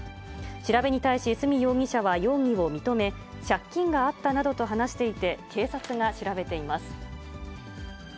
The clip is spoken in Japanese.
調べに対し、角容疑者は容疑を認め、借金があったなどと話していて、警察が調べています。